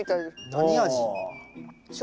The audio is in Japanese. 何味？